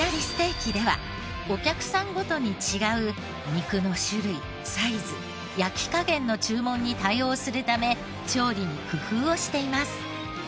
ステーキではお客さんごとに違う肉の種類サイズ焼き加減の注文に対応するため調理に工夫をしています。